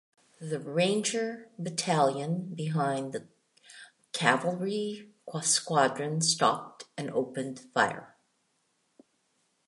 The Ranger battalion behind the cavalry squadron stopped and opened fire.